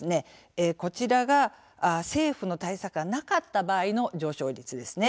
こちらが政府の対策がなかった場合の上昇率です。